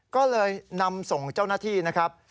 ก็เลยนำส่งเจ้าหน้าที่นะครับ